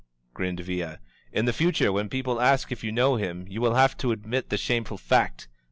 grinned Villa. "In the future when peo ple ask if you know him you will have to admit the shameful fact!